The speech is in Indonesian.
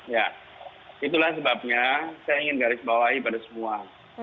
ya itulah sebabnya saya ingin garis bawahi pada semua